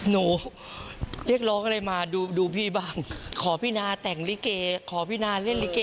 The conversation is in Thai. นี่เราต้องเรียกว่า